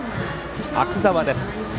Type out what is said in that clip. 阿久澤です。